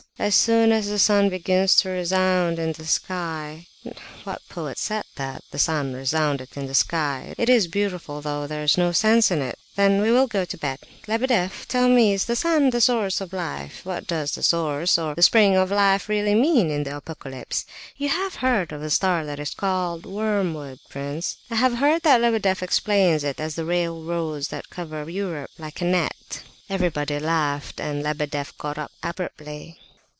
As soon as the sun begins to 'resound' in the sky—what poet said that? 'The sun resounded in the sky.' It is beautiful, though there's no sense in it!—then we will go to bed. Lebedeff, tell me, is the sun the source of life? What does the source, or 'spring,' of life really mean in the Apocalypse? You have heard of the 'Star that is called Wormwood,' prince?" "I have heard that Lebedeff explains it as the railroads that cover Europe like a net." Everybody laughed, and Lebedeff got up abruptly.